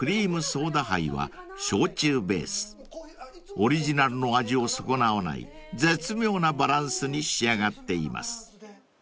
［オリジナルの味を損なわない絶妙なバランスに仕上がっています］